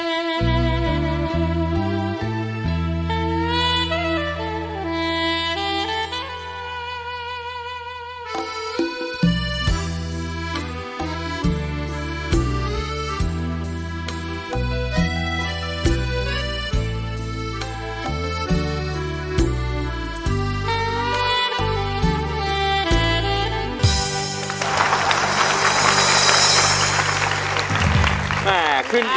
อินโทรเพลงที่๖